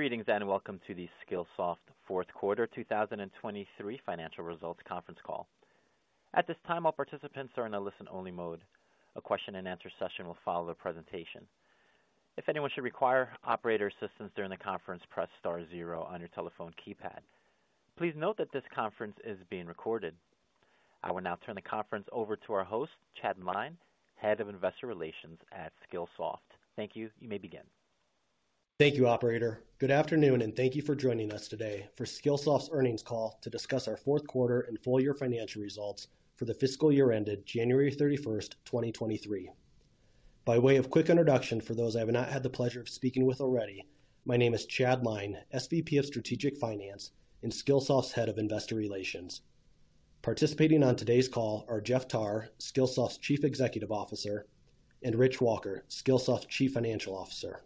Greetings, welcome to the Skillsoft fourth quarter 2023 financial results conference call. At this time, all participants are in a listen-only mode. A question-and-answer session will follow the presentation. If anyone should require operator assistance during the conference, press star zero on your telephone keypad. Please note that this conference is being recorded. I will now turn the conference over to our host, Chad Lyne, Head of Investor Relations at Skillsoft. Thank you. You may begin. Thank you, operator. Good afternoon. Thank you for joining us today for Skillsoft's earnings call to discuss our fourth quarter and full year financial results for the fiscal year ended January 31st, 2023. By way of quick introduction for those I have not had the pleasure of speaking with already, my name is Chad Lyne, SVP of Strategic Finance and Skillsoft's Head of Investor Relations. Participating on today's call are Jeff Tarr, Skillsoft's Chief Executive Officer, and Rich Walker, Skillsoft's Chief Financial Officer.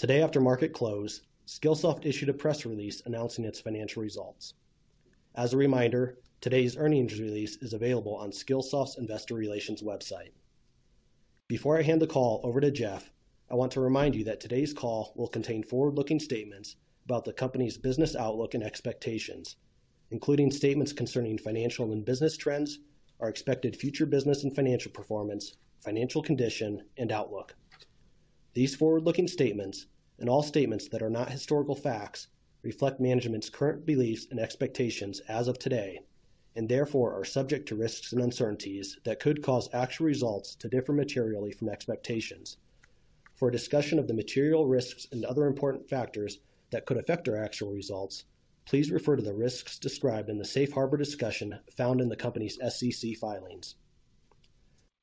Today after market close, Skillsoft issued a press release announcing its financial results. As a reminder, today's earnings release is available on Skillsoft's investor relations website. Before I hand the call over to Jeff, I want to remind you that today's call will contain forward-looking statements about the company's business outlook and expectations, including statements concerning financial and business trends, our expected future business and financial performance, financial condition, and outlook. These forward-looking statements, and all statements that are not historical facts, reflect management's current beliefs and expectations as of today, and therefore are subject to risks and uncertainties that could cause actual results to differ materially from expectations. For a discussion of the material risks and other important factors that could affect our actual results, please refer to the risks described in the safe harbor discussion found in the company's SEC filings.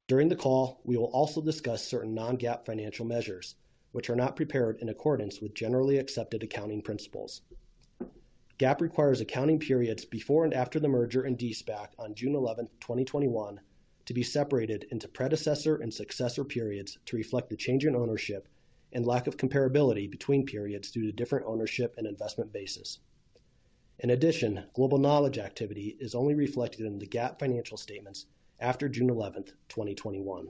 During the call, we will also discuss certain non-GAAP financial measures, which are not prepared in accordance with generally accepted accounting principles. GAAP requires accounting periods before and after the merger and de-SPAC on June 11th, 2021 to be separated into predecessor and successor periods to reflect the change in ownership and lack of comparability between periods due to different ownership and investment bases. Global Knowledge activity is only reflected in the GAAP financial statements after June 11th, 2021.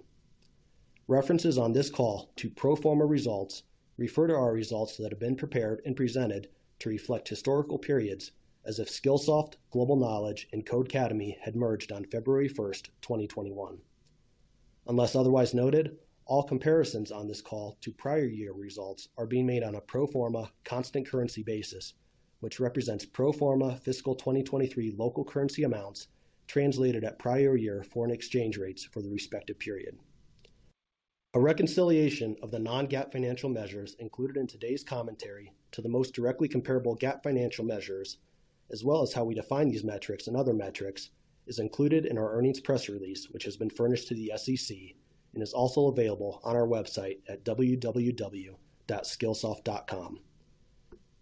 References on this call to pro forma results refer to our results that have been prepared and presented to reflect historical periods as if Skillsoft, Global Knowledge, and Codecademy had merged on February 1st, 2021. All comparisons on this call to prior year results are being made on a pro forma constant currency basis, which represents pro forma fiscal 2023 local currency amounts translated at prior year foreign exchange rates for the respective period. A reconciliation of the non-GAAP financial measures included in today's commentary to the most directly comparable GAAP financial measures, as well as how we define these metrics and other metrics, is included in our earnings press release, which has been furnished to the SEC and is also available on our website at www.skillsoft.com.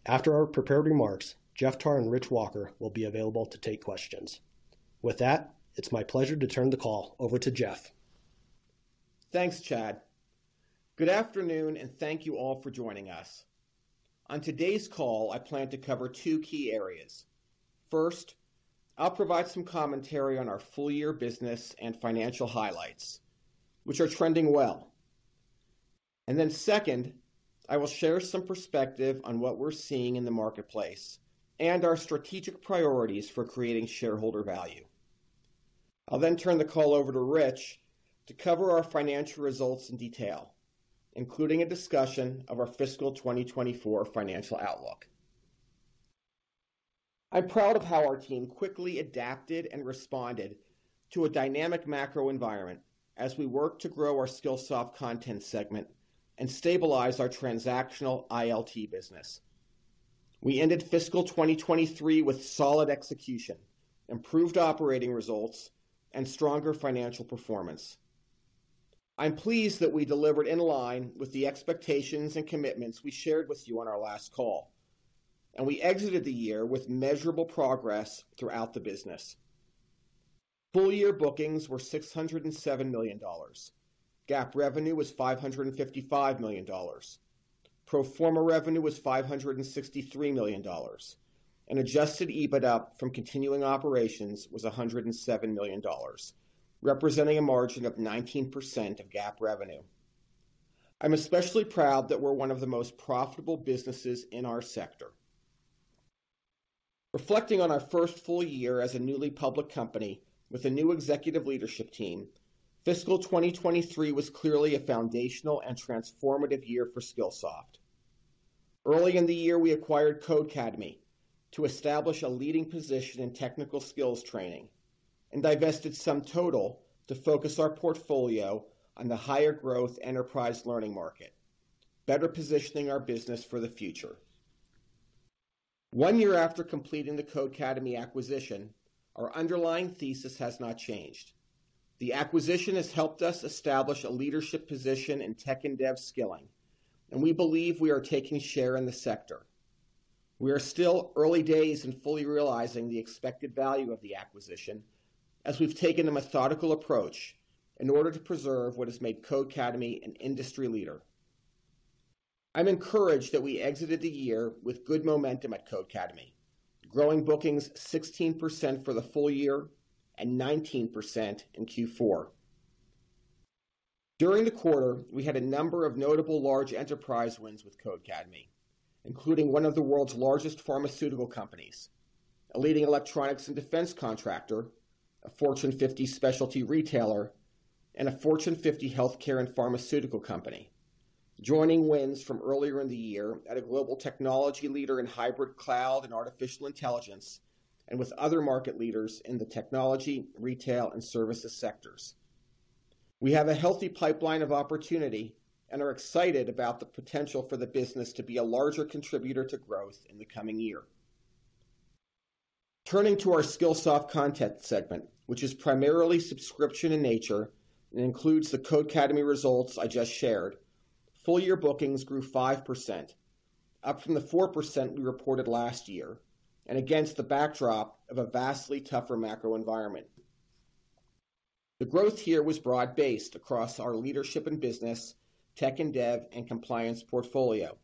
After our prepared remarks, Jeff Tarr and Rich Walker will be available to take questions. With that, it's my pleasure to turn the call over to Jeff. Thanks, Chad. Good afternoon, thank you all for joining us. On today's call, I plan to cover two key areas. First, I'll provide some commentary on our full year business and financial highlights, which are trending well. Second, I will share some perspective on what we're seeing in the marketplace and our strategic priorities for creating shareholder value. I'll then turn the call over to Rich to cover our financial results in detail, including a discussion of our fiscal 2024 financial outlook. I'm proud of how our team quickly adapted and responded to a dynamic macro environment as we work to grow our Skillsoft Content segment and stabilize our transactional ILT business. We ended fiscal 2023 with solid execution, improved operating results, and stronger financial performance. I'm pleased that we delivered in line with the expectations and commitments we shared with you on our last call, and we exited the year with measurable progress throughout the business. Full year bookings were $607 million. GAAP revenue was $555 million. Pro forma revenue was $563 million. Adjusted EBITDA from continuing operations was $107 million, representing a margin of 19% of GAAP revenue. I'm especially proud that we're one of the most profitable businesses in our sector. Reflecting on our first full year as a newly public company with a new executive leadership team, fiscal 2023 was clearly a foundational and transformative year for Skillsoft. Early in the year, we acquired Codecademy to establish a leading position in technical skills training and divested SumTotal to focus our portfolio on the higher growth enterprise learning market, better positioning our business for the future. One year after completing the Codecademy acquisition, our underlying thesis has not changed. The acquisition has helped us establish a leadership position in tech and dev skilling, and we believe we are taking share in the sector. We are still early days in fully realizing the expected value of the acquisition as we've taken a methodical approach in order to preserve what has made Codecademy an industry leader. I'm encouraged that we exited the year with good momentum at Codecademy, growing bookings 16% for the full year and 19% in Q4. During the quarter, we had a number of notable large enterprise wins with Codecademy, including one of the world's largest pharmaceutical companies, a leading electronics and defense contractor, a Fortune 50 specialty retailer, and a Fortune 50 healthcare and pharmaceutical company. Joining wins from earlier in the year at a global technology leader in hybrid cloud and artificial intelligence, with other market leaders in the technology, retail, and services sectors. We have a healthy pipeline of opportunity and are excited about the potential for the business to be a larger contributor to growth in the coming year. Turning to our Skillsoft Content segment, which is primarily subscription in nature and includes the Codecademy results I just shared. Full year bookings grew 5%, up from the 4% we reported last year and against the backdrop of a vastly tougher macro environment. The growth here was broad-based across our leadership and business, tech and dev, and compliance portfolio.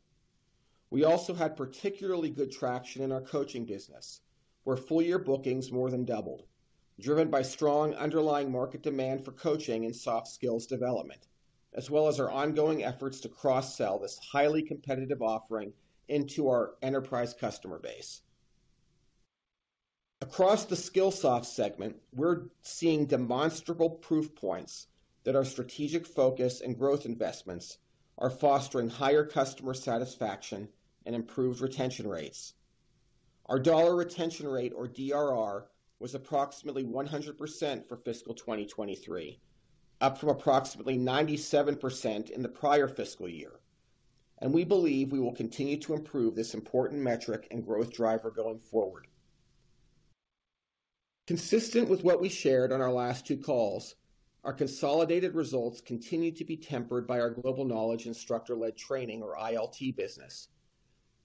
We also had particularly good traction in our coaching business, where full year bookings more than doubled, driven by strong underlying market demand for coaching and soft skills development, as well as our ongoing efforts to cross-sell this highly competitive offering into our enterprise customer base. Across the Skillsoft segment, we're seeing demonstrable proof points that our strategic focus and growth investments are fostering higher customer satisfaction and improved retention rates. Our dollar retention rate, or DRR, was approximately 100% for fiscal 2023, up from approximately 97% in the prior fiscal year, and we believe we will continue to improve this important metric and growth driver going forward. Consistent with what we shared on our last two calls, our consolidated results continued to be tempered by our Global Knowledge instructor-led training or ILT business.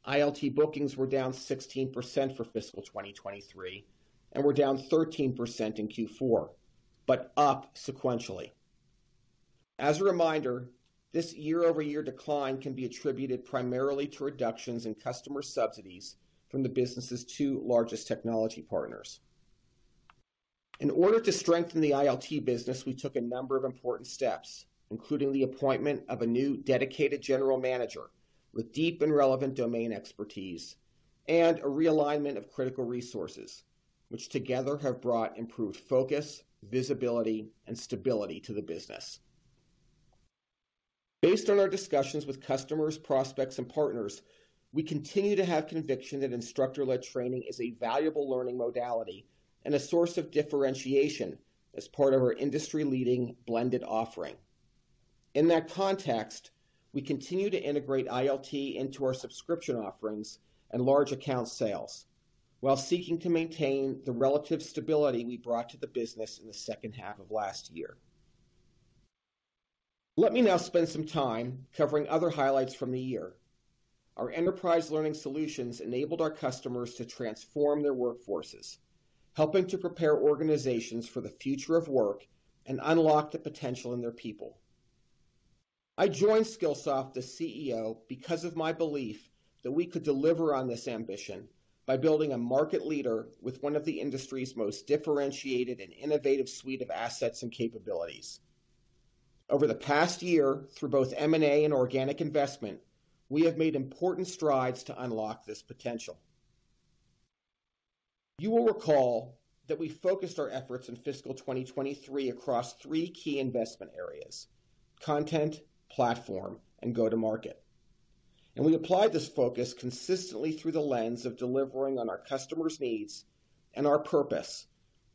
ILT bookings were down 16% for fiscal 2023 and were down 13% in Q4, but up sequentially. As a reminder, this year-over-year decline can be attributed primarily to reductions in customer subsidies from the business's two largest technology partners. In order to strengthen the ILT business, we took a number of important steps, including the appointment of a new dedicated general manager with deep and relevant domain expertise and a realignment of critical resources, which together have brought improved focus, visibility, and stability to the business. Based on our discussions with customers, prospects, and partners, we continue to have conviction that instructor-led training is a valuable learning modality and a source of differentiation as part of our industry-leading blended offering. In that context, we continue to integrate ILT into our subscription offerings and large account sales while seeking to maintain the relative stability we brought to the business in the second half of last year. Let me now spend some time covering other highlights from the year. Our enterprise learning solutions enabled our customers to transform their workforces, helping to prepare organizations for the future of work and unlock the potential in their people. I joined Skillsoft as CEO because of my belief that we could deliver on this ambition by building a market leader with one of the industry's most differentiated and innovative suite of assets and capabilities. Over the past year, through both M&A and organic investment, we have made important strides to unlock this potential. You will recall that we focused our efforts in fiscal 2023 across three key investment areas, content, platform, and go-to-market. We applied this focus consistently through the lens of delivering on our customers' needs and our purpose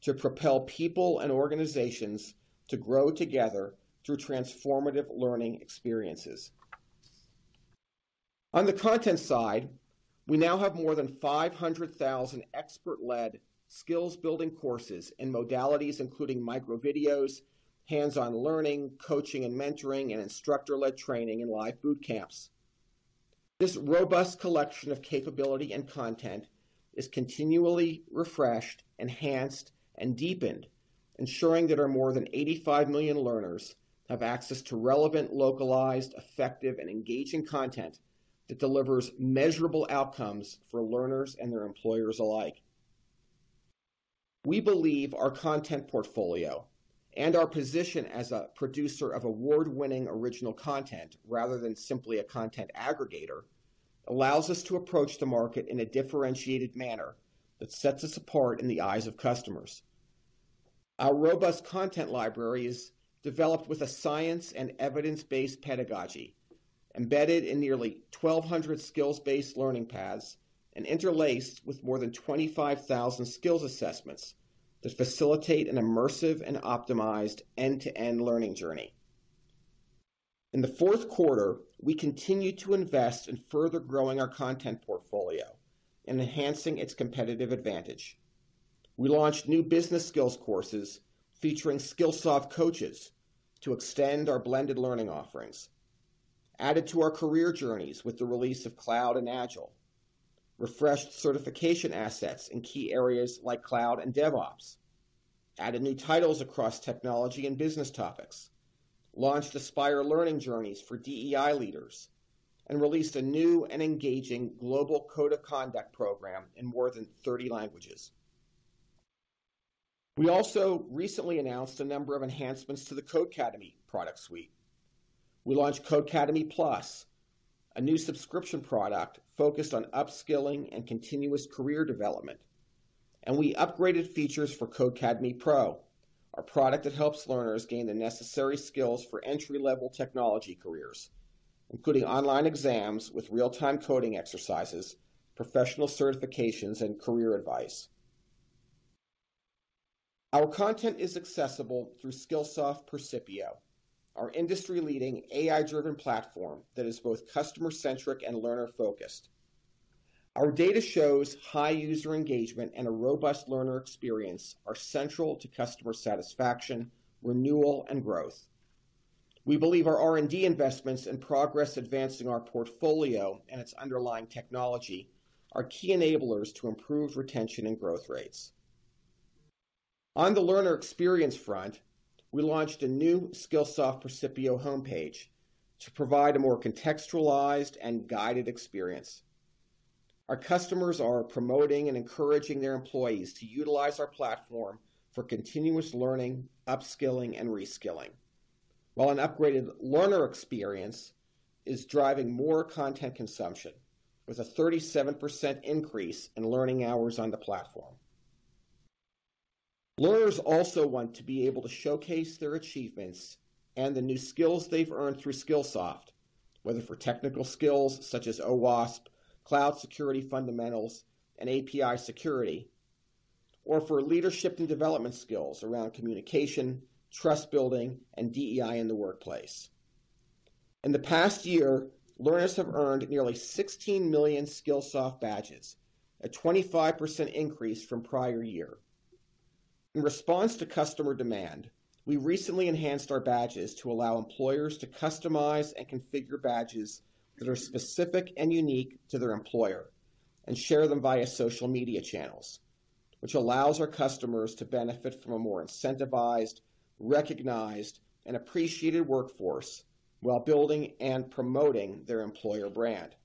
to propel people and organizations to grow together through transformative learning experiences. On the content side, we now have more than 500,000 expert-led skills building courses in modalities including micro videos, hands-on learning, coaching and mentoring, and instructor-led training and live boot camps. This robust collection of capability and content is continually refreshed, enhanced, and deepened, ensuring that our more than 85 million learners have access to relevant, localized, effective, and engaging content that delivers measurable outcomes for learners and their employers alike. We believe our content portfolio and our position as a producer of award-winning original content rather than simply a content aggregator, allows us to approach the market in a differentiated manner that sets us apart in the eyes of customers. Our robust content library is developed with a science and evidence-based pedagogy embedded in nearly 1,200 skills-based learning paths and interlaced with more than 25,000 skills assessments to facilitate an immersive and optimized end-to-end learning journey. In the fourth quarter, we continued to invest in further growing our content portfolio and enhancing its competitive advantage. We launched new business skills courses featuring Skillsoft coaches to extend our blended learning offerings, added to our career journeys with the release of Cloud and Agile, refreshed certification assets in key areas like cloud and DevOps, added new titles across technology and business topics, launched Aspire Journeys for DEI leaders, and released a new and engaging global code of conduct program in more than 30 languages. We also recently announced a number of enhancements to the Codecademy product suite. We launched Codecademy Plus, a new subscription product focused on upskilling and continuous career development. We upgraded features for Codecademy Pro, our product that helps learners gain the necessary skills for entry-level technology careers, including online exams with real-time coding exercises, professional certifications, and career advice. Our content is accessible through Skillsoft Percipio, our industry-leading AI-driven platform that is both customer-centric and learner-focused. Our data shows high user engagement and a robust learner experience are central to customer satisfaction, renewal, and growth. We believe our R&D investments and progress advancing our portfolio and its underlying technology are key enablers to improve retention and growth rates. On the learner experience front, we launched a new Skillsoft Percipio homepage to provide a more contextualized and guided experience. Our customers are promoting and encouraging their employees to utilize our platform for continuous learning, upskilling, and reskilling, while an upgraded learner experience is driving more content consumption with a 37% increase in learning hours on the platform. Learners also want to be able to showcase their achievements and the new skills they've earned through Skillsoft, whether for technical skills such as OWASP, cloud security fundamentals, and API security, or for leadership and development skills around communication, trust building, and DEI in the workplace. In the past year, learners have earned nearly 16 million Skillsoft badges, a 25% increase from prior year. In response to customer demand, we recently enhanced our badges to allow employers to customize and configure badges that are specific and unique to their employer and share them via social media channels, which allows our customers to benefit from a more incentivized, recognized, and appreciated workforce while building and promoting their employer brand.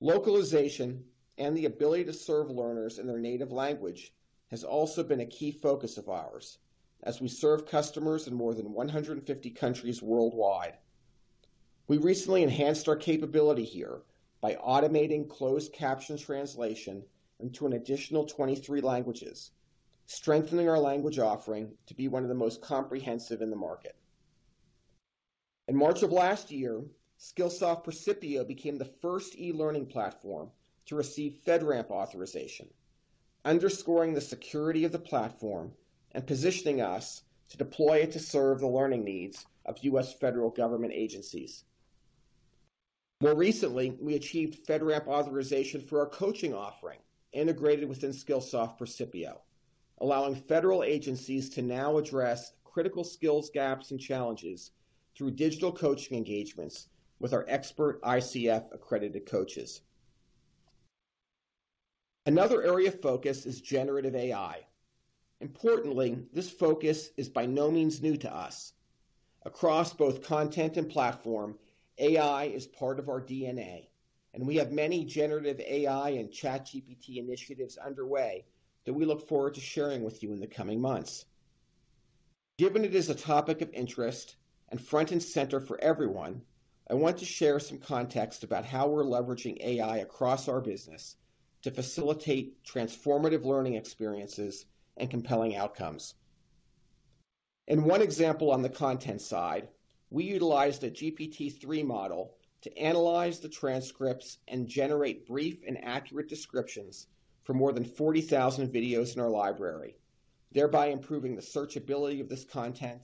Localization and the ability to serve learners in their native language has also been a key focus of ours as we serve customers in more than 150 countries worldwide. We recently enhanced our capability here by automating closed caption translation into an additional 23 languages, strengthening our language offering to be one of the most comprehensive in the market. In March of last year, Skillsoft Percipio became the first e-learning platform to receive FedRAMP authorization, underscoring the security of the platform and positioning us to deploy it to serve the learning needs of U.S. federal government agencies. More recently, we achieved FedRAMP authorization for our coaching offering integrated within Skillsoft Percipio, allowing federal agencies to now address critical skills gaps and challenges through digital coaching engagements with our expert ICF-accredited coaches. Another area of focus is generative AI. Importantly, this focus is by no means new to us. Across both content and platform, AI is part of our DNA, and we have many generative AI and ChatGPT initiatives underway that we look forward to sharing with you in the coming months. Given it is a topic of interest and front and center for everyone, I want to share some context about how we're leveraging AI across our business to facilitate transformative learning experiences and compelling outcomes. In one example on the content side, we utilized a GPT-3 model to analyze the transcripts and generate brief and accurate descriptions for more than 40,000 videos in our library, thereby improving the searchability of this content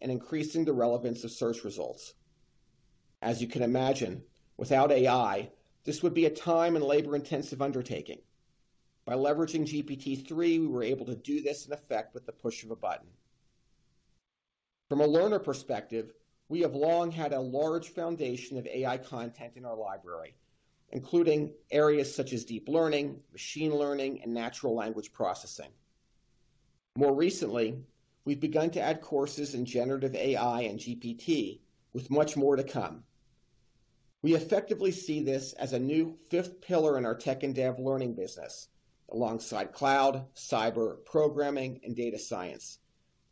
and increasing the relevance of search results. As you can imagine, without AI, this would be a time and labor-intensive undertaking. By leveraging GPT-3, we were able to do this in effect with the push of a button. From a learner perspective, we have long had a large foundation of AI content in our library, including areas such as deep learning, machine learning, and natural language processing. More recently, we've begun to add courses in generative AI and GPT with much more to come. We effectively see this as a new fifth pillar in our tech and dev learning business alongside cloud, cyber, programming, and data science,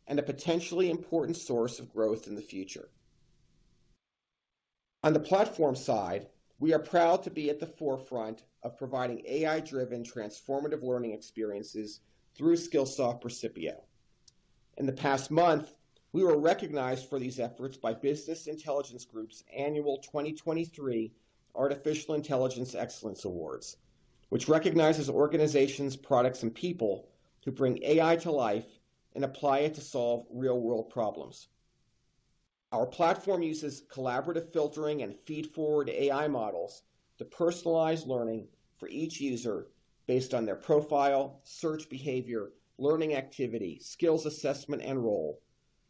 and a potentially important source of growth in the future. On the platform side, we are proud to be at the forefront of providing AI-driven transformative learning experiences through Skillsoft Percipio. In the past month, we were recognized for these efforts by Business Intelligence Group's annual 2023 Artificial Intelligence Excellence Awards, which recognizes organizations, products, and people who bring AI to life and apply it to solve real-world problems. Our platform uses collaborative filtering and feedforward AI models to personalize learning for each user based on their profile, search behavior, learning activity, skills assessment, and role.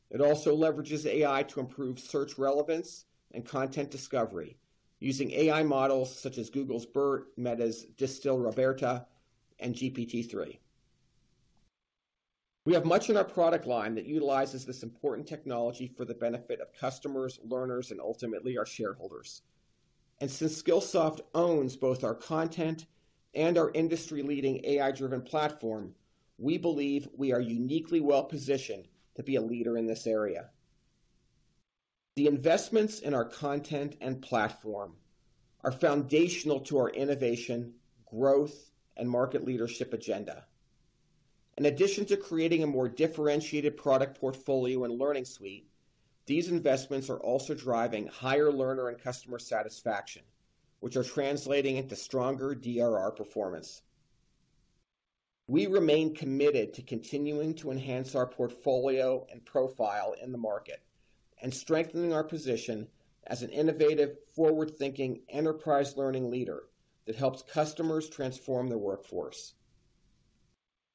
It also leverages AI to improve search relevance and content discovery using AI models such as Google's BERT, Meta's DistilRoBERTa, and GPT-3. We have much in our product line that utilizes this important technology for the benefit of customers, learners, and ultimately our shareholders. Since Skillsoft owns both our content and our industry-leading AI-driven platform, we believe we are uniquely well-positioned to be a leader in this area. The investments in our content and platform are foundational to our innovation, growth, and market leadership agenda. In addition to creating a more differentiated product portfolio and learning suite, these investments are also driving higher learner and customer satisfaction, which are translating into stronger DRR performance. We remain committed to continuing to enhance our portfolio and profile in the market and strengthening our position as an innovative, forward-thinking enterprise learning leader that helps customers transform their workforce.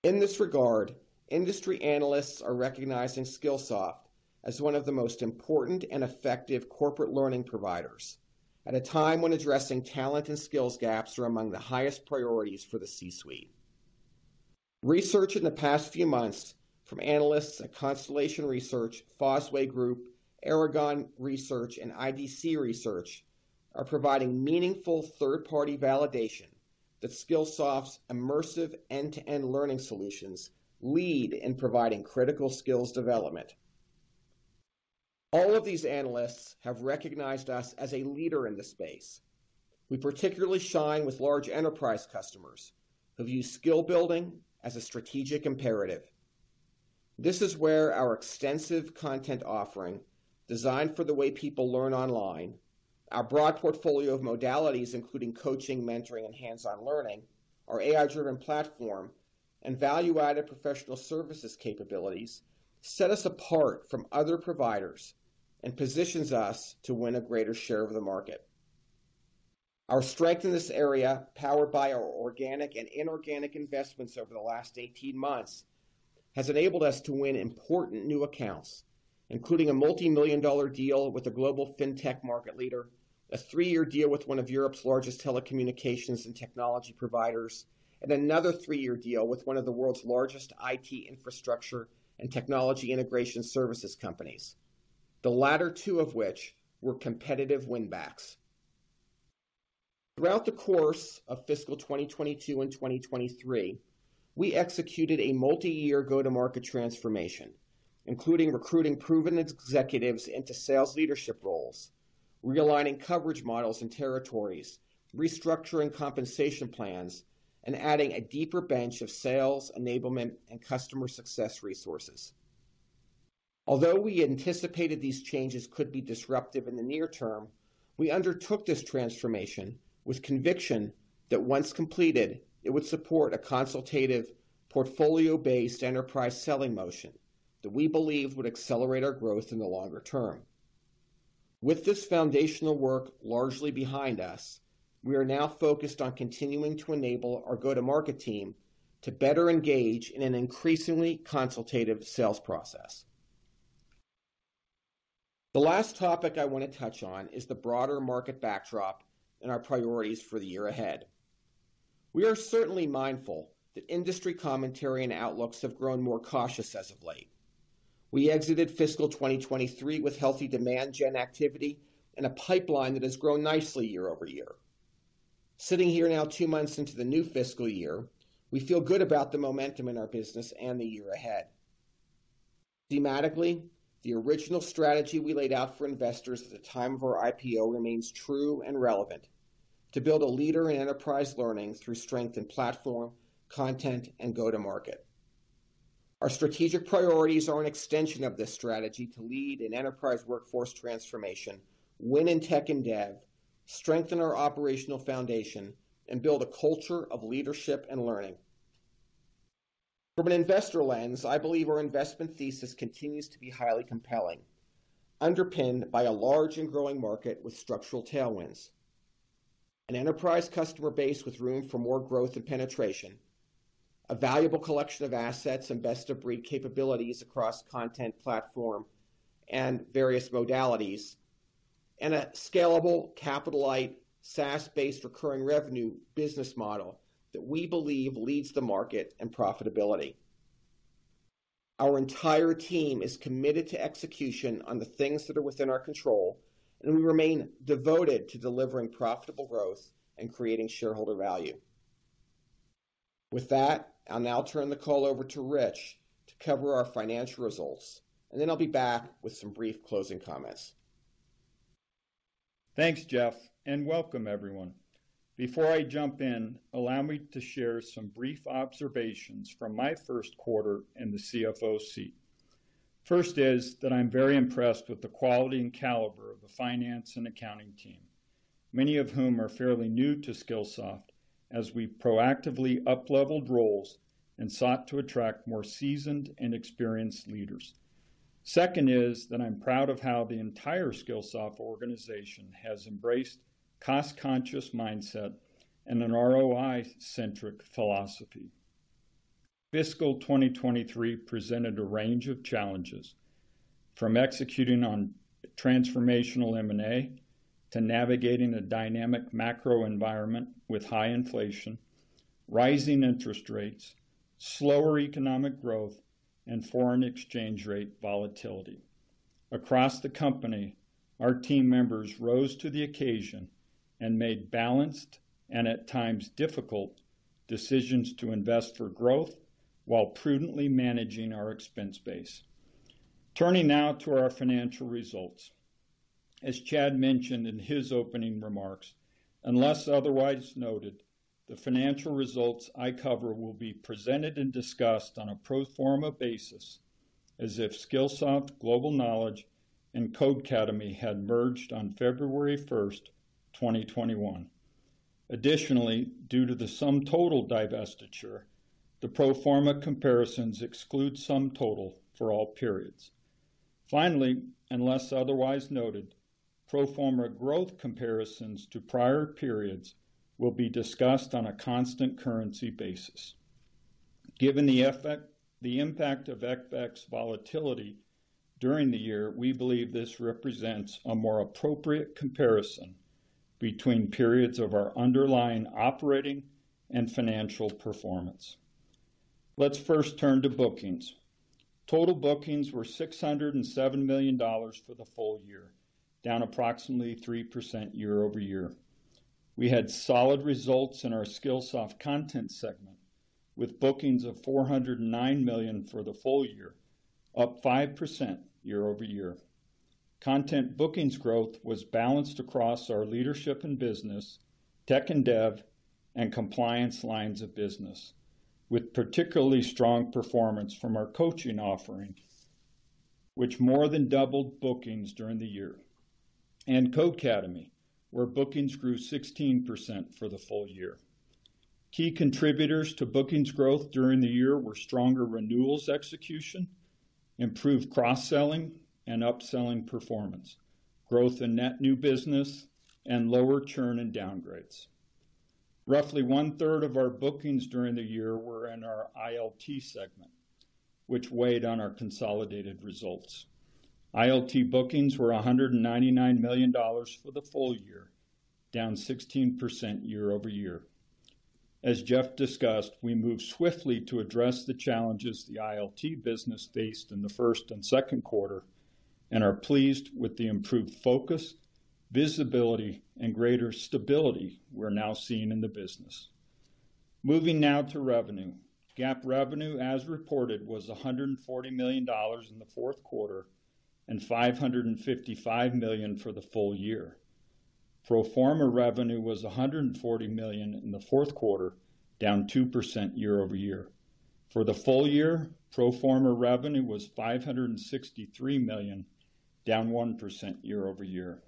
In this regard, industry analysts are recognizing Skillsoft as one of the most important and effective corporate learning providers at a time when addressing talent and skills gaps are among the highest priorities for the C-suite. Research in the past few months from analysts at Constellation Research, Fosway Group, Aragon Research, and IDC Research are providing meaningful third-party validation that Skillsoft's immersive end-to-end learning solutions lead in providing critical skills development. All of these analysts have recognized us as a leader in this space. We particularly shine with large enterprise customers who view skill building as a strategic imperative. This is where our extensive content offering designed for the way people learn online, our broad portfolio of modalities, including coaching, mentoring, and hands-on learning, our AI-driven platform, and value-added professional services capabilities set us apart from other providers and positions us to win a greater share of the market. Our strength in this area, powered by our organic and inorganic investments over the last 18 months, has enabled us to win important new accounts, including a multi-million dollar deal with a global fintech market leader, a three-year deal with one of Europe's largest telecommunications and technology providers, and another three-year deal with one of the world's largest IT infrastructure and technology integration services companies, the latter two of which were competitive win-backs. Throughout the course of fiscal 2022 and 2023, we executed a multi-year go-to-market transformation, including recruiting proven executives into sales leadership roles, realigning coverage models and territories, restructuring compensation plans, and adding a deeper bench of sales, enablement, and customer success resources. Although we anticipated these changes could be disruptive in the near term, we undertook this transformation with conviction that once completed, it would support a consultative, portfolio-based enterprise selling motion that we believe would accelerate our growth in the longer term. With this foundational work largely behind us, we are now focused on continuing to enable our go-to-market team to better engage in an increasingly consultative sales process. The last topic I want to touch on is the broader market backdrop and our priorities for the year ahead. We are certainly mindful that industry commentary and outlooks have grown more cautious as of late. We exited fiscal 2023 with healthy demand gen activity and a pipeline that has grown nicely year-over-year. Sitting here now two months into the new fiscal year, we feel good about the momentum in our business and the year ahead. Thematically, the original strategy we laid out for investors at the time of our IPO remains true and relevant to build a leader in enterprise learning through strength in platform, content, and go to market. Our strategic priorities are an extension of this strategy to lead in enterprise workforce transformation, win in tech and dev, strengthen our operational foundation, and build a culture of leadership and learning. From an investor lens, I believe our investment thesis continues to be highly compelling, underpinned by a large and growing market with structural tailwinds, an enterprise customer base with room for more growth and penetration, a valuable collection of assets and best-of-breed capabilities across content platform and various modalities, and a scalable capital-light, SaaS-based recurring revenue business model that we believe leads the market and profitability. Our entire team is committed to execution on the things that are within our control, and we remain devoted to delivering profitable growth and creating shareholder value. With that, I'll now turn the call over to Rich to cover our financial results, and then I'll be back with some brief closing comments. Thanks, Jeff, and welcome everyone. Before I jump in, allow me to share some brief observations from my first quarter in the CFO seat. First is that I'm very impressed with the quality and caliber of the finance and accounting team, many of whom are fairly new to Skillsoft as we proactively upleveled roles and sought to attract more seasoned and experienced leaders. Second is that I'm proud of how the entire Skillsoft organization has embraced cost-conscious mindset and an ROI-centric philosophy. Fiscal 2023 presented a range of challenges. From executing on transformational M&A to navigating a dynamic macro environment with high inflation, rising interest rates, slower economic growth, and foreign exchange rate volatility. Across the company, our team members rose to the occasion and made balanced and at times difficult decisions to invest for growth while prudently managing our expense base. Turning now to our financial results. As Chad mentioned in his opening remarks, unless otherwise noted, the financial results I cover will be presented and discussed on a pro forma basis as if Skillsoft, Global Knowledge, and Codecademy had merged on February 1st, 2021. Additionally, due to the SumTotal divestiture, the pro forma comparisons exclude SumTotal for all periods. Finally, unless otherwise noted, pro forma growth comparisons to prior periods will be discussed on a constant currency basis. Given the impact of FX volatility during the year, we believe this represents a more appropriate comparison between periods of our underlying operating and financial performance. Let's first turn to bookings. Total bookings were $607 million for the full year, down approximately 3% year-over-year. We had solid results in our Skillsoft Content segment, with bookings of $409 million for the full year, up 5% year-over-year. Content bookings growth was balanced across our leadership and business, tech and dev, and compliance lines of business, with particularly strong performance from our coaching offering, which more than doubled bookings during the year. And Codecademy, where bookings grew 16% for the full year. Key contributors to bookings growth during the year were stronger renewals execution, improved cross-selling and upselling performance, growth in net new business, and lower churn and downgrades. Roughly one-third of our bookings during the year were in our ILT segment, which weighed on our consolidated results. ILT bookings were $199 million for the full year, down 16% year-over-year. As Jeff discussed, we moved swiftly to address the challenges the ILT business faced in the first and second quarter and are pleased with the improved focus, visibility, and greater stability we're now seeing in the business. Moving now to revenue. GAAP revenue, as reported, was $140 million in the fourth quarter and $555 million for the full year. Pro forma revenue was $140 million in the fourth quarter, down 2% year-over-year. For the full year, pro forma revenue was $563 million, down 1% year-over-year.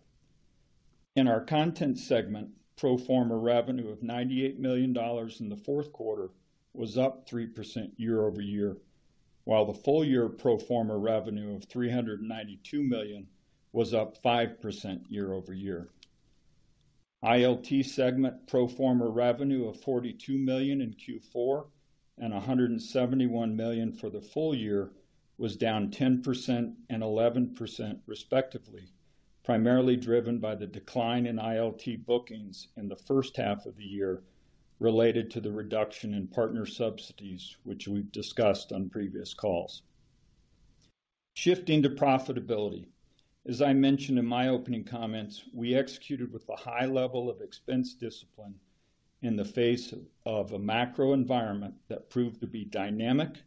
In our Content segment, pro forma revenue of $98 million in the fourth quarter was up 3% year-over-year, while the full year pro forma revenue of $392 million was up 5% year-over-year. ILT segment pro forma revenue of $42 million in Q4 and $171 million for the full year was down 10% and 11% respectively, primarily driven by the decline in ILT bookings in the first half of the year related to the reduction in partner subsidies, which we've discussed on previous calls. Shifting to profitability. As I mentioned in my opening comments, we executed with a high level of expense discipline in the face of a macro environment that proved to be dynamic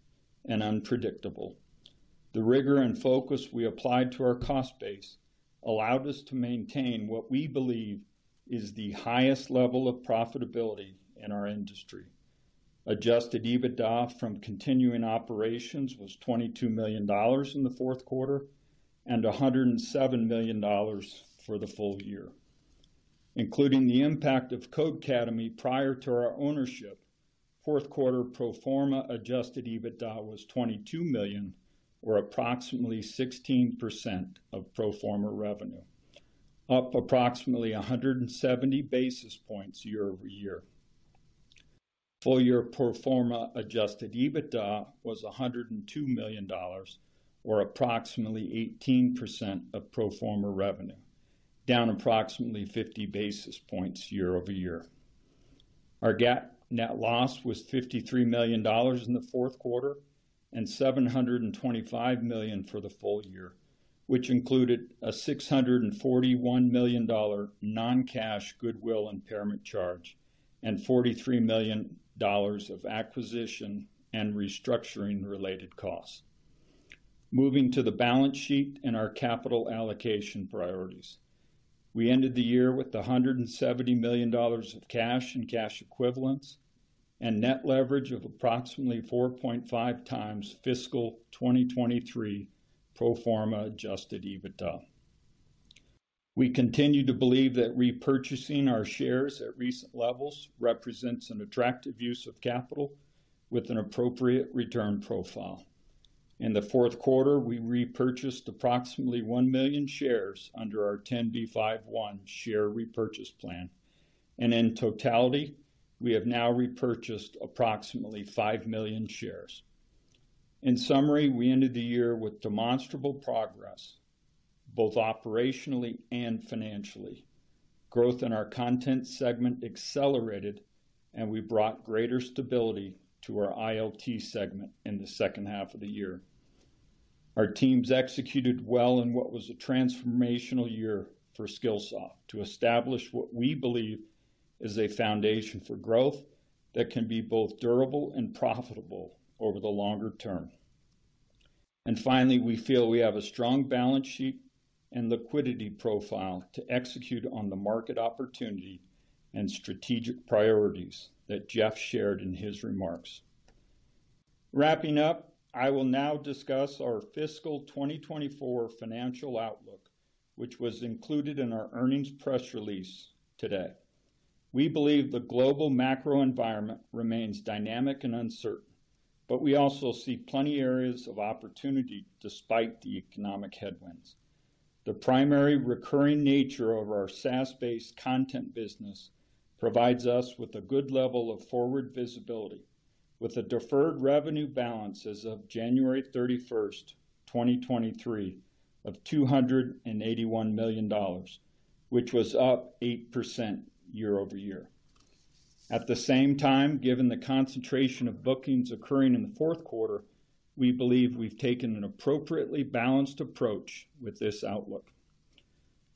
and unpredictable. The rigor and focus we applied to our cost base allowed us to maintain what we believe is the highest level of profitability in our industry. Adjusted EBITDA from continuing operations was $22 million in the fourth quarter and $107 million for the full year. Including the impact of Codecademy prior to our ownership, fourth quarter pro forma adjusted EBITDA was $22 million, or approximately 16% of pro forma revenue, up approximately 170 basis points year-over-year. Full year pro forma adjusted EBITDA was $102 million, or approximately 18% of pro forma revenue, down approximately 50 basis points year-over-year. Our GAAP net loss was $53 million in the fourth quarter and $725 million for the full year, which included a $641 million non-cash goodwill impairment charge and $43 million of acquisition and restructuring related costs. Moving to the balance sheet and our capital allocation priorities. We ended the year with $170 million of cash and cash equivalents and net leverage of approximately 4.5x fiscal 2023 pro forma adjusted EBITDA. We continue to believe that repurchasing our shares at recent levels represents an attractive use of capital with an appropriate return profile. In the fourth quarter, we repurchased approximately 1 million shares under our 10b5-1 share repurchase plan. In totality, we have now repurchased approximately 5 million shares. In summary, we ended the year with demonstrable progress, both operationally and financially. Growth in our Content segment accelerated, and we brought greater stability to our ILT segment in the second half of the year. Our teams executed well in what was a transformational year for Skillsoft to establish what we believe is a foundation for growth that can be both durable and profitable over the longer term. Finally, we feel we have a strong balance sheet and liquidity profile to execute on the market opportunity and strategic priorities that Jeff shared in his remarks. Wrapping up, I will now discuss our fiscal 2024 financial outlook, which was included in our earnings press release today. We believe the global macro environment remains dynamic and uncertain, but we also see plenty areas of opportunity despite the economic headwinds. The primary recurring nature of our SaaS-based content business provides us with a good level of forward visibility with the deferred revenue balance as of January 31st, 2023 of $281 million, which was up 8% year-over-year. At the same time, given the concentration of bookings occurring in the fourth quarter, we believe we've taken an appropriately balanced approach with this outlook.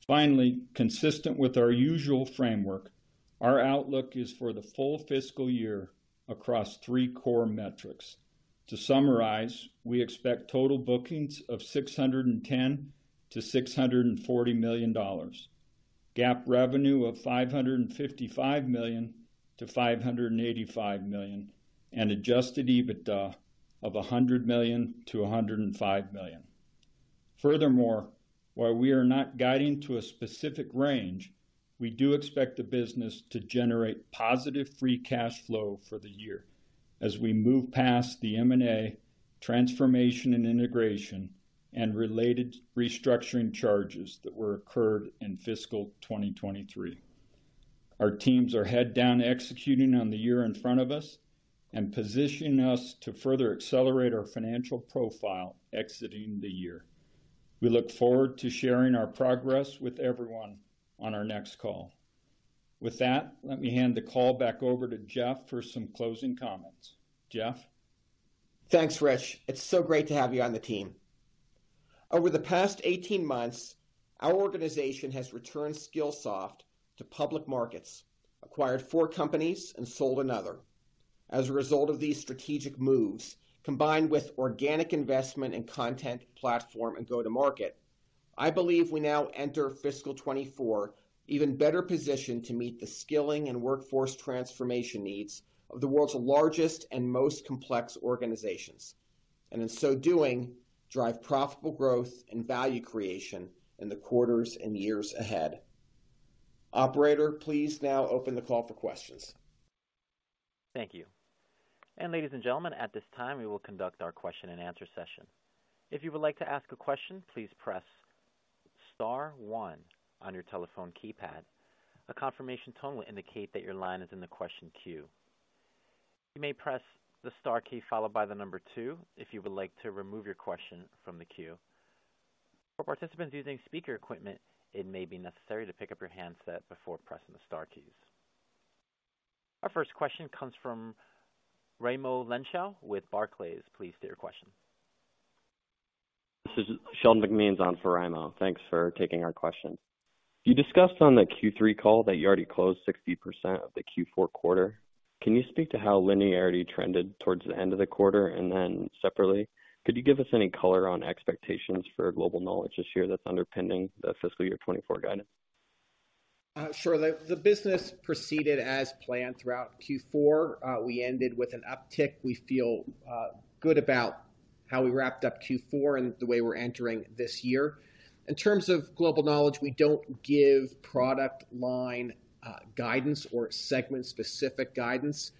Consistent with our usual framework, our outlook is for the full fiscal year across three core metrics. To summarize, we expect total bookings of $610 million-$640 million, GAAP revenue of $555 million-$585 million, and adjusted EBITDA of $100 million-$105 million. While we are not guiding to a specific range, we do expect the business to generate positive free cash flow for the year as we move past the M&A transformation and integration and related restructuring charges that were occurred in fiscal 2023. Our teams are head down executing on the year in front of us and positioning us to further accelerate our financial profile exiting the year. We look forward to sharing our progress with everyone on our next call. With that, let me hand the call back over to Jeff for some closing comments. Jeff? Thanks, Rich. It's so great to have you on the team. Over the past 18 months, our organization has returned Skillsoft to public markets, acquired four companies and sold another. A result of these strategic moves, combined with organic investment in content, platform, and go-to-market, I believe we now enter fiscal 2024 even better positioned to meet the skilling and workforce transformation needs of the world's largest and most complex organizations, and in so doing, drive profitable growth and value creation in the quarters and years ahead. Operator, please now open the call for questions. Thank you. Ladies and gentlemen, at this time, we will conduct our question-and-answer session. If you would like to ask a question, please press star one on your telephone keypad. A confirmation tone will indicate that your line is in the question queue. You may press the star key followed by the number two if you would like to remove your question from the queue. For participants using speaker equipment, it may be necessary to pick up your handset before pressing the star keys. Our first question comes from Raimo Lenschow with Barclays. Please state your question. This is Sheldon McMeans on for Raimo. Thanks for taking our question. You discussed on the Q3 call that you already closed 60% of the Q4 quarter. Can you speak to how linearity trended towards the end of the quarter? Separately, could you give us any color on expectations for Global Knowledge this year that's underpinning the fiscal year 2024 guidance? Sure. The business proceeded as planned throughout Q4. We ended with an uptick. We feel good about how we wrapped up Q4 and the way we're entering this year. In terms of Global Knowledge, we don't give product line guidance or segment-specific guidance,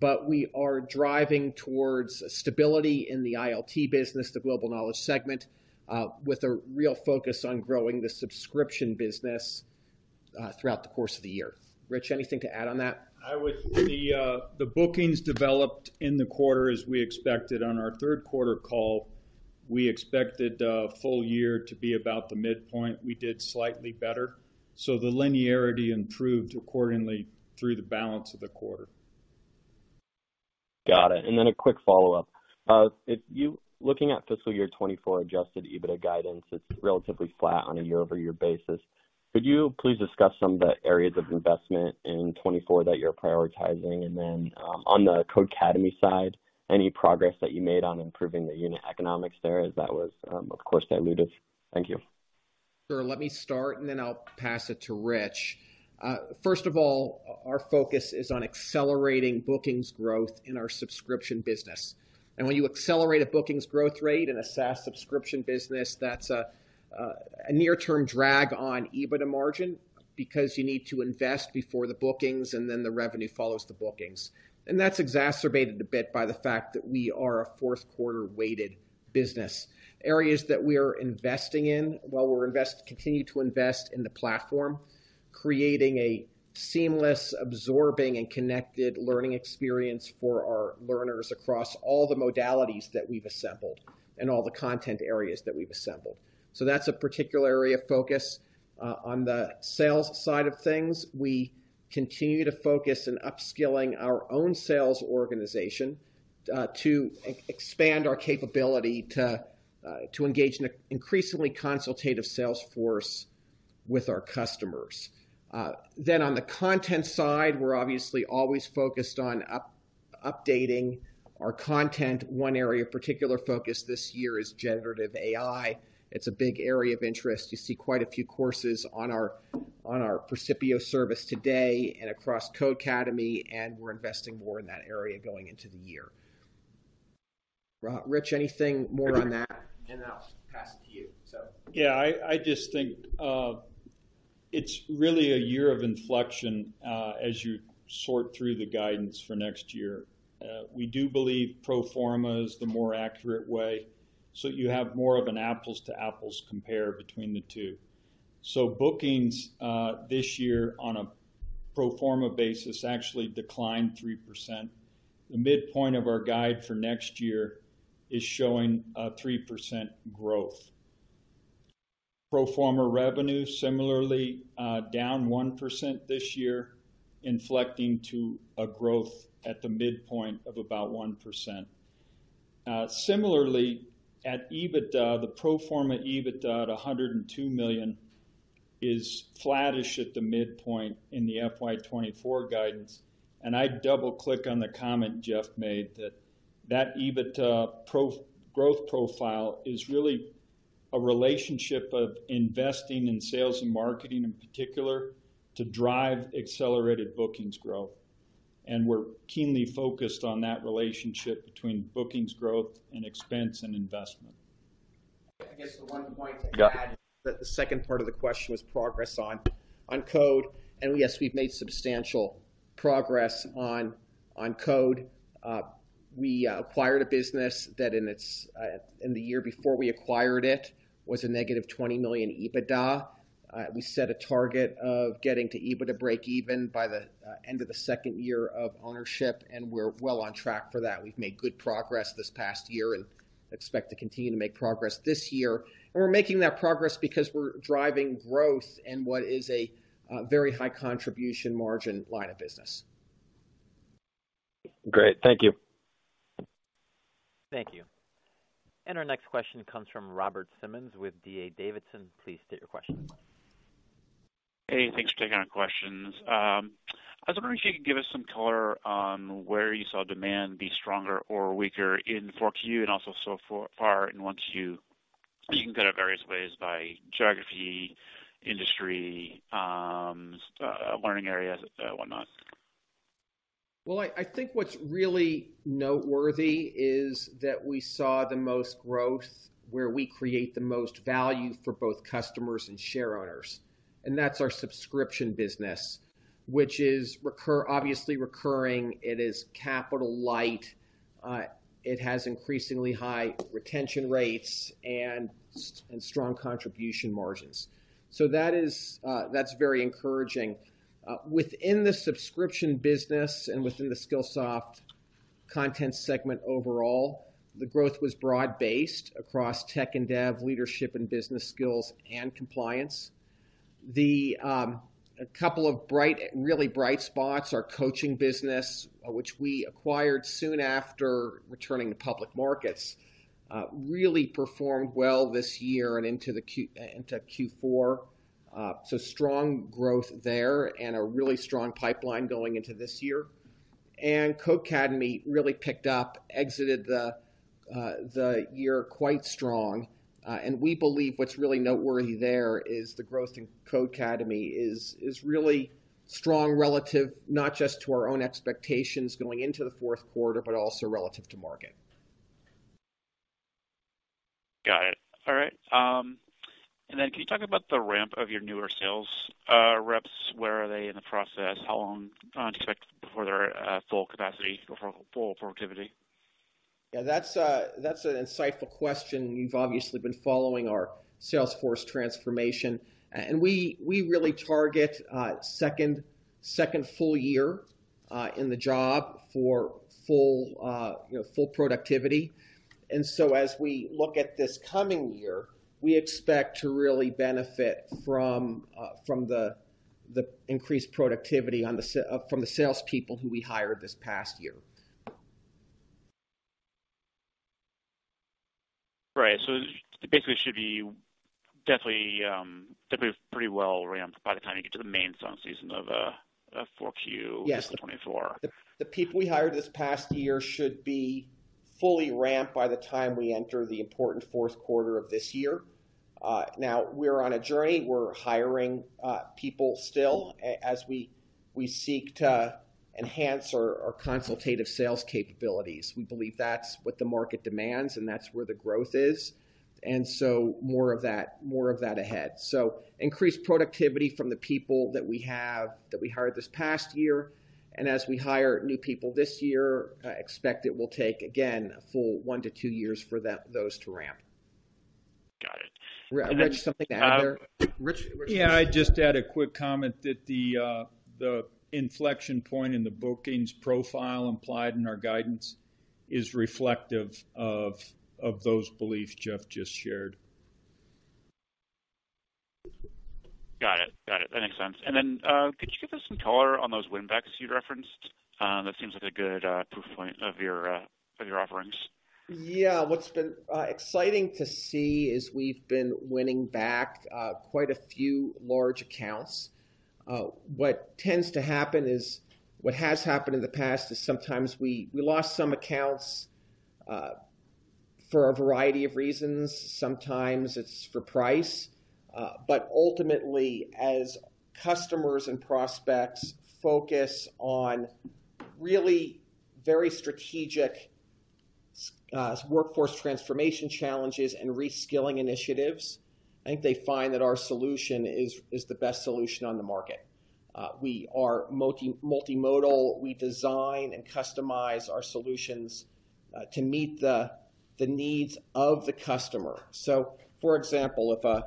but we are driving towards stability in the ILT business, the Global Knowledge segment, with a real focus on growing the subscription business throughout the course of the year. Rich, anything to add on that? The bookings developed in the quarter as we expected on our third quarter call. We expected the full year to be about the midpoint. We did slightly better, so the linearity improved accordingly through the balance of the quarter. Got it. A quick follow-up. Looking at fiscal year 2024 adjusted EBITDA guidance, it's relatively flat on a year-over-year basis. Could you please discuss some of the areas of investment in 2024 that you're prioritizing? On the Codecademy side, any progress that you made on improving the unit economics there, as that was, of course, that alluded. Thank you. Sure. Let me start, and then I'll pass it to Rich. First of all, our focus is on accelerating bookings growth in our subscription business. When you accelerate a bookings growth rate in a SaaS subscription business, that's a near-term drag on EBITDA margin because you need to invest before the bookings, and then the revenue follows the bookings. That's exacerbated a bit by the fact that we are a fourth-quarter-weighted business. Areas that we are investing in, while we continue to invest in the platform, creating a seamless, absorbing, and connected learning experience for our learners across all the modalities that we've assembled and all the content areas that we've assembled. That's a particular area of focus. On the sales side of things, we continue to focus in upskilling our own sales organization, to expand our capability to engage in an increasingly consultative sales force with our customers. On the content side, we're obviously always focused on updating our content. One area of particular focus this year is generative AI. It's a big area of interest. You see quite a few courses on our Percipio service today and across Codecademy, and we're investing more in that area going into the year. Rich, anything more on that? And then I'll pass it to you. I just think it's really a year of inflection as you sort through the guidance for next year. We do believe pro forma is the more accurate way, so you have more of an apples to apples compare between the two. Bookings this year on a pro forma basis actually declined 3%. The midpoint of our guide for next year is showing 3% growth. Pro forma revenue similarly, down 1% this year, inflecting to a growth at the midpoint of about 1%. Similarly, at EBITDA, the pro forma EBITDA at $102 million is flattish at the midpoint in the FY 2024 guidance. I'd double-click on the comment Jeff made that EBITDA growth profile is really a relationship of investing in sales and marketing in particular to drive accelerated bookings growth. We're keenly focused on that relationship between bookings growth and expense and investment. I guess the one point to add. Yeah. That the second part of the question was progress on Code, yes, we acquired a business that in its in the year before we acquired it, was a negative $20 million EBITDA. We set a target of getting to EBITDA breakeven by the end of the second year of ownership, and we're well on track for that. We've made good progress this past year and expect to continue to make progress this year. We're making that progress because we're driving growth in what is a very high contribution margin line of business. Great. Thank you. Thank you. Our next question comes from Robert Simmons with D.A. Davidson. Please state your question. Hey, thanks for taking our questions. I was wondering if you could give us some color on where you saw demand be stronger or weaker in Q4 and also so far in Q1. You can go at various ways by geography, industry, learning areas, whatnot. Well, I think what's really noteworthy is that we saw the most growth where we create the most value for both customers and share owners, and that's our subscription business, which is obviously recurring. It is capital light. It has increasingly high retention rates and strong contribution margins. That is, that's very encouraging. Within the subscription business and within the Skillsoft Content segment overall, the growth was broad-based across tech and dev leadership and business skills and compliance. The, a couple of really bright spots, our coaching business, which we acquired soon after returning to public markets, really performed well this year and into Q4. Strong growth there and a really strong pipeline going into this year. Codecademy really picked up, exited the year quite strong. We believe what's really noteworthy there is the growth in Codecademy is really strong relative, not just to our own expectations going into the fourth quarter, but also relative to market. Got it. All right. Can you talk about the ramp of your newer sales reps? Where are they in the process? How long do you expect before they're at full capacity or full productivity? Yeah, that's an insightful question. You've obviously been following our sales force transformation. We really target second full year in the job for full, you know, full productivity. As we look at this coming year, we expect to really benefit from the increased productivity from the salespeople who we hired this past year. Right. Basically it should be definitely pretty well ramped by the time you get to the main sun season of Q4. Yes. Twenty-four. The people we hired this past year should be fully ramped by the time we enter the important fourth quarter of this year. Now we're on a journey. We're hiring people still as we seek to enhance our consultative sales capabilities. We believe that's what the market demands, and that's where the growth is. More of that, more of that ahead. Increased productivity from the people that we have, that we hired this past year. As we hire new people this year, expect it will take, again, a full one to two years for those to ramp. Got it. Rich, something to add there? Rich? Yeah, I'd just add a quick comment that the inflection point in the bookings profile implied in our guidance is reflective of those beliefs Jeff just shared. Could you give us some color on those win backs you referenced? That seems like a good, proof point of your, of your offerings. Yeah. What's been exciting to see is we've been winning back quite a few large accounts. What has happened in the past is sometimes we lost some accounts for a variety of reasons. Sometimes it's for price. Ultimately, as customers and prospects focus on really very strategic workforce transformation challenges and reskilling initiatives, I think they find that our solution is the best solution on the market. We are multi-modal. We design and customize our solutions to meet the needs of the customer. For example, if a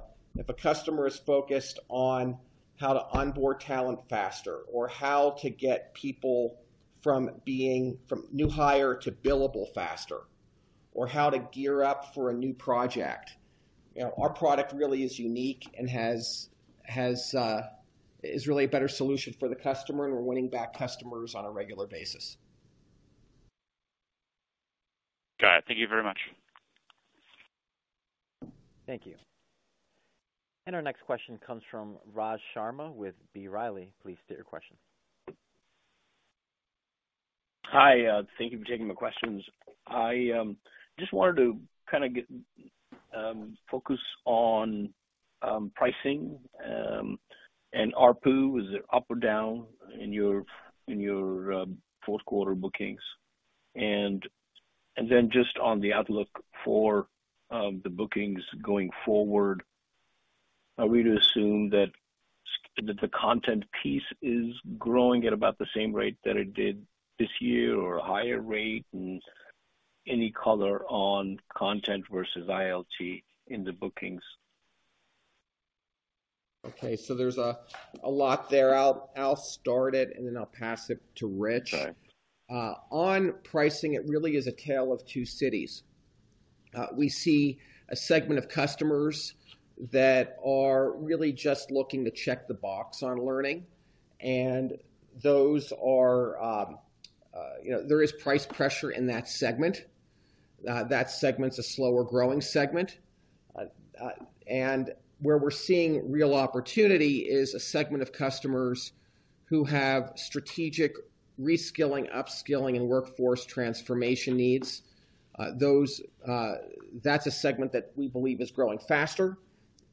customer is focused on how to onboard talent faster or how to get people from new hire to billable faster or how to gear up for a new project, you know, our product really is unique and has... is really a better solution for the customer, and we're winning back customers on a regular basis. Got it. Thank you very much. Thank you. Our next question comes from Raj Sharma with B. Riley. Please state your question. Hi, thank you for taking my questions. I just wanted to kinda get focus on pricing and ARPU. Is it up or down in your, in your fourth quarter bookings? Then just on the outlook for the bookings going forward, are we to assume that the content piece is growing at about the same rate that it did this year or higher rate? Any color on content versus ILT in the bookings. There's a lot there. I'll start it, I'll pass it to Rich. Okay. On pricing, it really is a tale of two cities. We see a segment of customers that are really just looking to check the box on learning, and those are, you know, there is price pressure in that segment. That segment's a slower growing segment. Where we're seeing real opportunity is a segment of customers who have strategic reskilling, upskilling, and workforce transformation needs. Those, that's a segment that we believe is growing faster,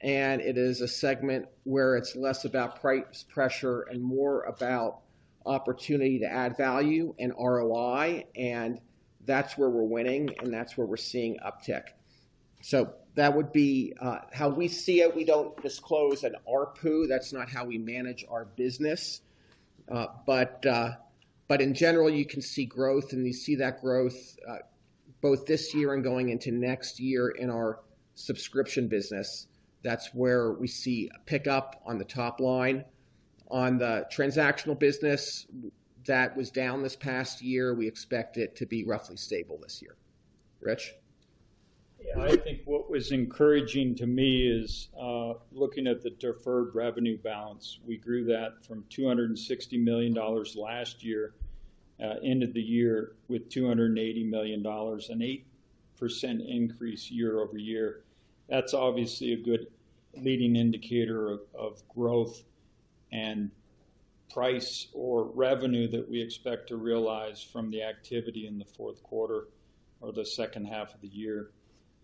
and it is a segment where it's less about price pressure and more about opportunity to add value and ROI. That's where we're winning, and that's where we're seeing uptick. That would be how we see it. We don't disclose an ARPU. That's not how we manage our business. In general, you can see growth, and you see that growth both this year and going into next year in our subscription business. That's where we see a pickup on the top line. On the transactional business, that was down this past year. We expect it to be roughly stable this year. Rich? I think what was encouraging to me is looking at the deferred revenue balance. We grew that from $260 million last year, end of the year with $280 million, an 8% increase year-over-year. That's obviously a good leading indicator of growth and price or revenue that we expect to realize from the activity in the fourth quarter or the second half of the year.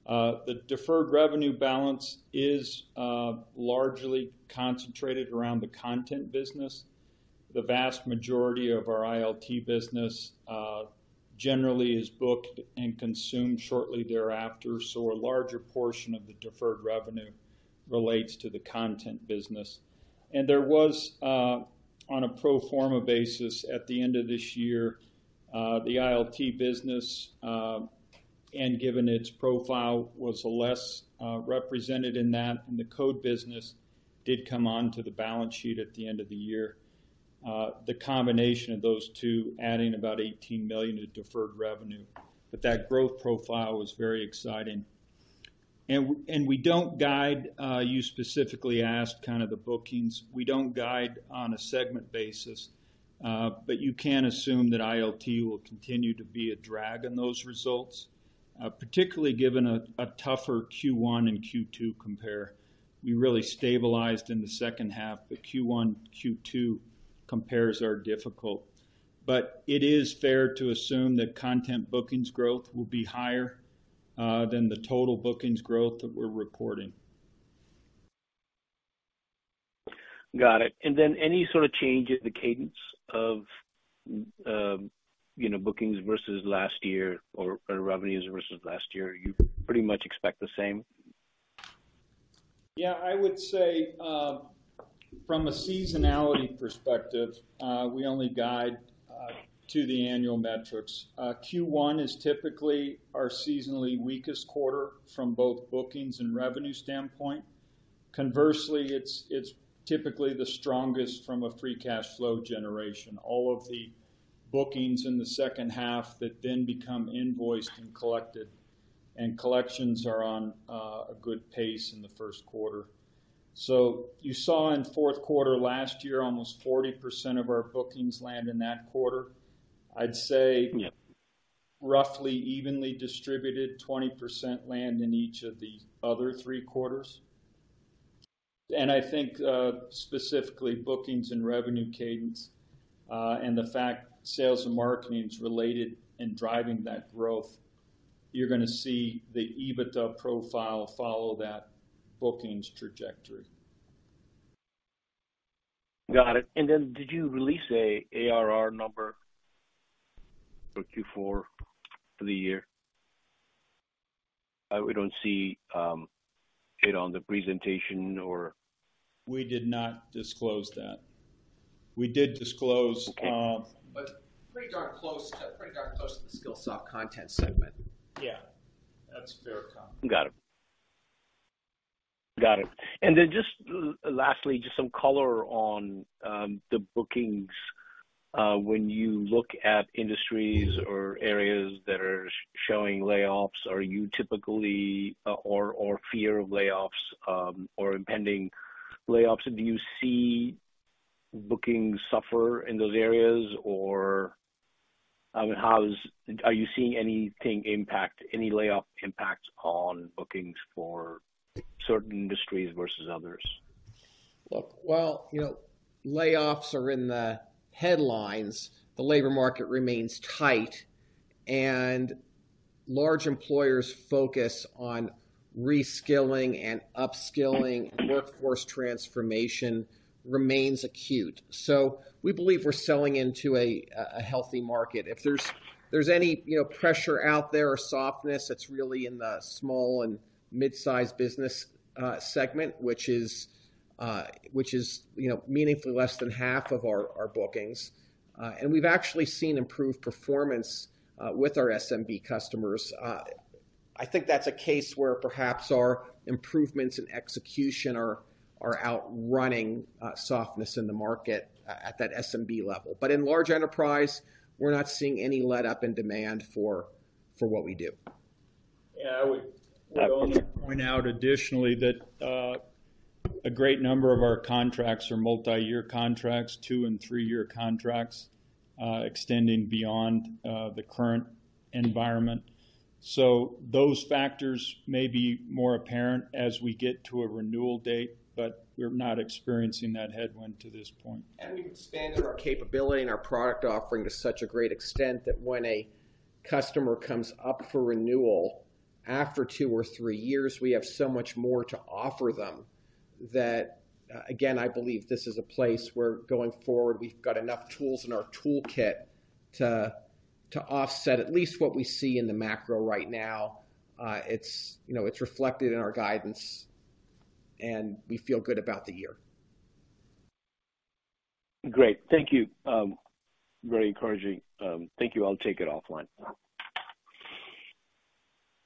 The deferred revenue balance is largely concentrated around the content business. The vast majority of our ILT business generally is booked and consumed shortly thereafter. A larger portion of the deferred revenue relates to the content business. There was on a pro forma basis at the end of this year, the ILT business, and given its profile, was less represented in that, and the code business did come onto the balance sheet at the end of the year. The combination of those two adding about $18 million in deferred revenue. That growth profile was very exciting. We don't guide, you specifically asked kind of the bookings. We don't guide on a segment basis, but you can assume that ILT will continue to be a drag on those results, particularly given a tougher Q1 and Q2 compare. We really stabilized in the second half, but Q1, Q2 compares are difficult. It is fair to assume that content bookings growth will be higher than the total bookings growth that we're recording. Got it. Then any sort of change in the cadence of, you know, bookings versus last year or revenues versus last year? You pretty much expect the same? Yeah, I would say, from a seasonality perspective, we only guide to the annual metrics. Q1 is typically our seasonally weakest quarter from both bookings and revenue standpoint. Conversely, it's typically the strongest from a free cash flow generation. All of the bookings in the second half that then become invoiced and collected and collections are on a good pace in the first quarter. You saw in fourth quarter last year, almost 40% of our bookings land in that quarter. I'd say roughly evenly distributed, 20% land in each of the other three quarters. I think, specifically, bookings and revenue cadence, and the fact sales and marketing is related in driving that growth, you're gonna see the EBITDA profile follow that bookings trajectory. Got it. Did you release an ARR number for Q4 for the year? We don't see it on the presentation. We did not disclose that. We did disclose. pretty darn close to the Skillsoft Content segment. Yeah, that's a fair comment. Got it. Got it. Then just lastly, just some color on the bookings. When you look at industries or areas that are showing layoffs, are you typically, or fear of layoffs, or impending layoffs, do you see bookings suffer in those areas? I mean, are you seeing anything impact, any layoff impact on bookings for certain industries versus others? Look, while, you know, layoffs are in the headlines, the labor market remains tight, and large employers' focus on reskilling and upskilling workforce transformation remains acute. We believe we're selling into a healthy market. If there's any, you know, pressure out there or softness that's really in the Small and Mid-sized Business segment, which is, you know, meaningfully less than half of our bookings. We've actually seen improved performance with our SMB customers. I think that's a case where perhaps our improvements in execution are outrunning softness in the market at that SMB level. In large enterprise, we're not seeing any letup in demand for what we do. Yeah. I would only point out additionally that a great number of our contracts are multiyear contracts, two and three-year contracts, extending beyond the current environment. Those factors may be more apparent as we get to a renewal date, but we're not experiencing that headwind to this point. We've expanded our capability and our product offering to such a great extent that when a customer comes up for renewal after two or three years, we have so much more to offer them that, again, I believe this is a place where going forward, we've got enough tools in our toolkit to offset at least what we see in the macro right now. It's, you know, it's reflected in our guidance, and we feel good about the year. Great. Thank you. Very encouraging. Thank you. I'll take it offline.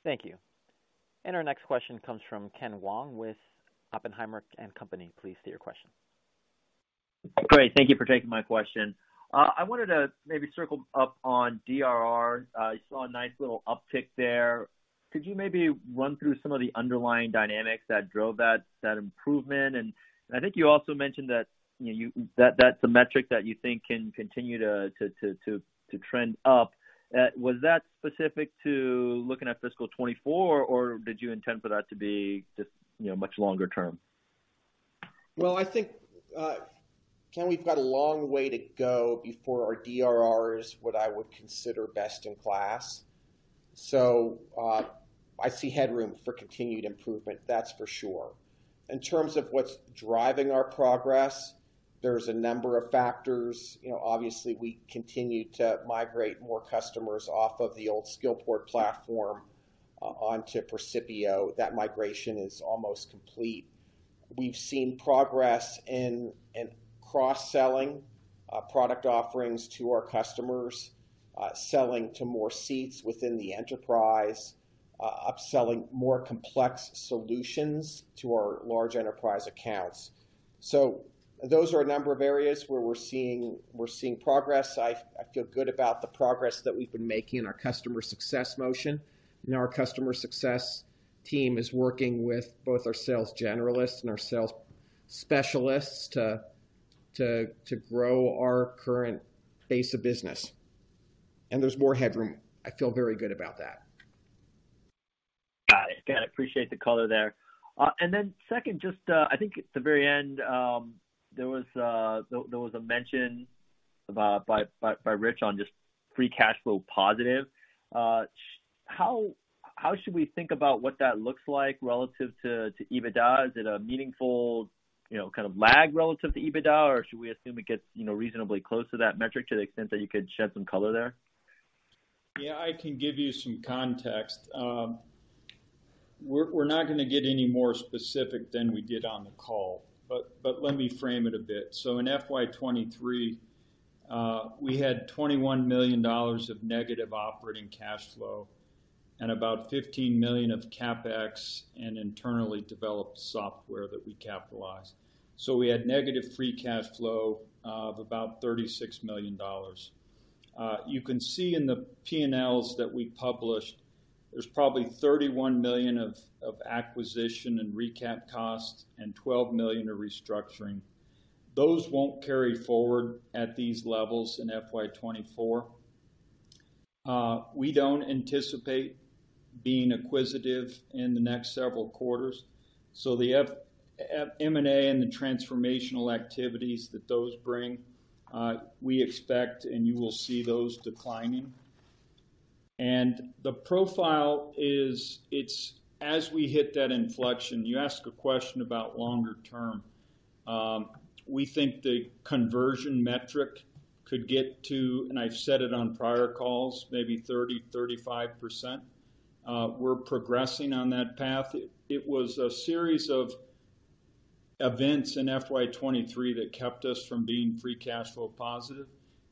Thank you. Our next question comes from Ken Wong with Oppenheimer & Co. Please state your question. Great. Thank you for taking my question. I wanted to maybe circle up on DRR. I saw a nice little uptick there. Could you maybe run through some of the underlying dynamics that drove that improvement? I think you also mentioned that, you know, you. That's a metric that you think can continue to trend up. Was that specific to looking at fiscal 2024, or did you intend for that to be just, you know, much longer term? I think, Ken, we've got a long way to go before our DRR is what I would consider best in class. I see headroom for continued improvement, that's for sure. In terms of what's driving our progress, there's a number of factors. You know, obviously, we continue to migrate more customers off of the old Skillport platform onto Percipio. That migration is almost complete. We've seen progress in cross-selling, product offerings to our customers, selling to more seats within the enterprise, upselling more complex solutions to our large enterprise accounts. Those are a number of areas where we're seeing progress. I feel good about the progress that we've been making in our customer success motion, and our customer success team is working with both our sales generalists and our sales specialists to grow our current base of business. There's more headroom. I feel very good about that. Got it. Yeah, I appreciate the color there. Second, just, I think at the very end, there was a mention about by Rich on just free cash flow positive. How should we think about what that looks like relative to EBITDA? Is it a meaningful, you know, kind of lag relative to EBITDA, or should we assume it gets, you know, reasonably close to that metric to the extent that you could shed some color there? Yeah, I can give you some context. We're not gonna get any more specific than we did on the call, but let me frame it a bit. In FY 2023, we had $21 million of negative operating cash flow and about $15 million of CapEx and internally developed software that we capitalized. We had negative free cash flow of about $36 million. You can see in the P&Ls that we published. There's probably $31 million of acquisition and recap costs and $12 million of restructuring. Those won't carry forward at these levels in FY 2024. We don't anticipate being acquisitive in the next several quarters, the M&A and the transformational activities that those bring, we expect and you will see those declining. The profile is, it's as we hit that inflection, you ask a question about longer term. We think the conversion metric could get to, and I've said it on prior calls, maybe 30%-35%. We're progressing on that path. It was a series of events in FY 2023 that kept us from being free cash flow positive,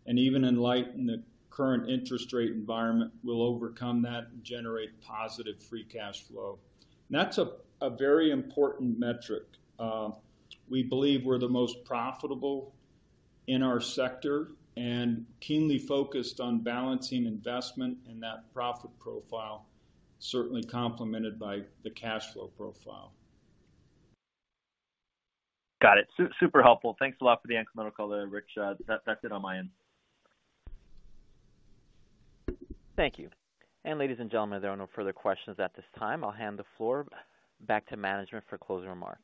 and even in light in the current interest rate environment, we'll overcome that and generate positive free cash flow. That's a very important metric. We believe we're the most profitable in our sector and keenly focused on balancing investment in that profit profile, certainly complemented by the cash flow profile. Got it. Super helpful. Thanks a lot for the anecdotal there, Rich. That's it on my end. Thank you. Ladies and gentlemen, there are no further questions at this time. I'll hand the floor back to management for closing remarks.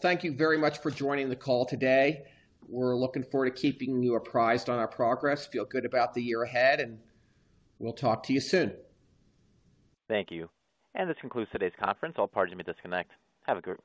Thank you very much for joining the call today. We're looking forward to keeping you apprised on our progress. Feel good about the year ahead and we'll talk to you soon. Thank you. This concludes today's conference. All parties may disconnect. Have a great day.